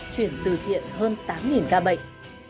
chuyển tử thiện hơn tám ca bệnh